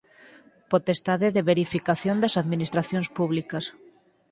Potestade de verificación das administracións públicas.